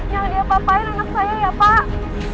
jangan dia apa apain anak saya ya pak